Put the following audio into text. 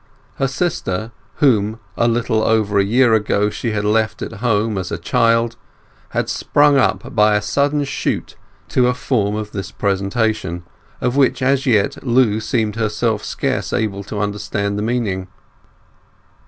Her sister, whom a little over a year ago she had left at home as a child, had sprung up by a sudden shoot to a form of this presentation, of which as yet Lu seemed herself scarce able to understand the meaning.